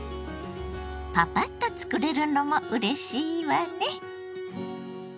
パパッとつくれるのもうれしいわね！